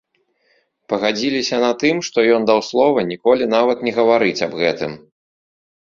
Пагадзіліся на тым, што ён даў слова ніколі нават не гаварыць аб гэтым.